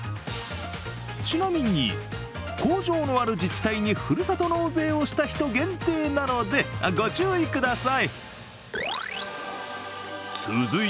ちなみに、工場のある自治体にふるさと納税をした人限定なのでご注意ください。